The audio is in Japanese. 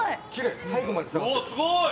すごい！」